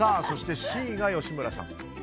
そして、Ｃが吉村さん。